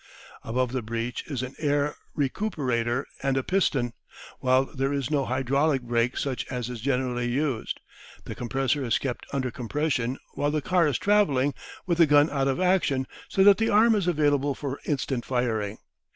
Above the breach is an air recuperator and a piston, while there is no hydraulic brake such as is generally used. The compressor is kept under compression while the car is travelling with the gun out of action, so that the arm is available for instant firing.